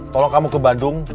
tolong kamu ke bandung